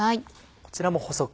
こちらも細く？